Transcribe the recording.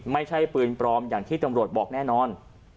ไม่ใช่ปืนปลอมอย่างที่ตำรวจบอกแน่นอน